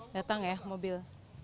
datang ya mobil